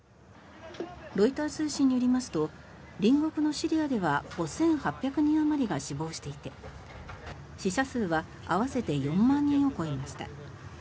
ロイター通信によりますと隣国のシリアでは５８００人あまりが死亡していて死者数は合わせて４万人を超えました。